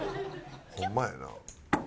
ホンマやな。